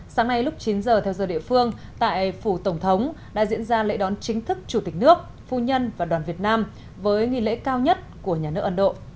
sáng nay lúc chín giờ theo giờ địa phương tại phủ tổng thống đã diễn ra lễ đón chính thức chủ tịch nước phu nhân và đoàn việt nam với nghi lễ cao nhất của nhà nước ấn độ